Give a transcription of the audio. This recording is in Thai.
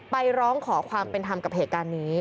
ร้องขอความเป็นธรรมกับเหตุการณ์นี้